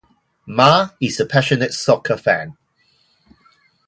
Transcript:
Mah is a passionate soccer fan.